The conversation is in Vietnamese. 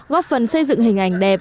góp phần xây dựng hình ảnh đẹp